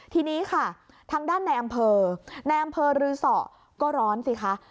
ทีนี้ค่ะทางด้านในอำเภอในอำเภอรือสอก็ร้อนสิคะ